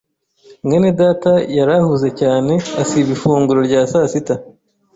mwene data yari ahuze cyane asiba ifunguro rya sasita.